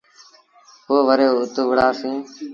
پو وري اُت وُهڙآسيٚݩ۔